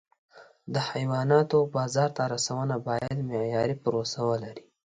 د حیواناتو بازار ته رسونه باید معیاري پروسه ولري.